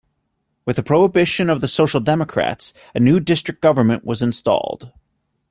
With the prohibition of the social democrats, a new district government was installed.